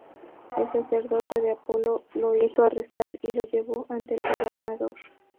El sacerdote de Apolo lo hizo arrestar y lo llevó ante el gobernador.